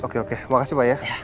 oke oke makasih pak ya